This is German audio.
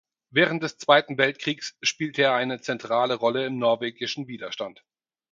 Während des Zweiten Weltkriegs spielte er eine zentrale Rolle im norwegischen Widerstand.